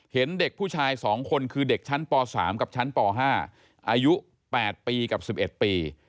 เห็นเด็กผู้ชาย๒คนคือเด็กชั้นป๓กับชั้นป๕อายุ๘ปีกับ๑๑ปี